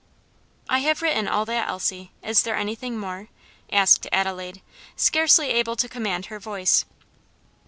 "I have written all that, Elsie; is there anything more?" asked Adelaide, scarcely able to command her voice.